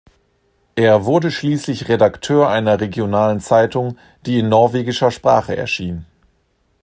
Er wurde schließlich Redakteur einer regionalen Zeitung, die in norwegischer Sprache erschien.